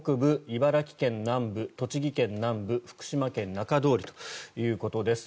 茨城県南部栃木県南部福島県中通りということです。